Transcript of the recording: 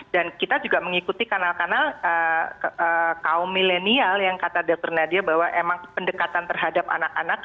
dan kita juga mengikuti kanal kanal kaum milenial yang kata dr nadia bahwa emang pendekatan terhadap anak anak